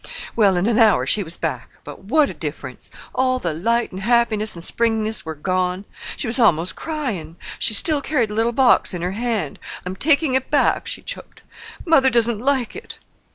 "Well, in an hour she was back. But what a difference! All the light and happiness and springiness were gone. She was almost crying. She still carried the little box in her hand. 'I'm takin' it back,' she choked. 'Mother doesn't like it.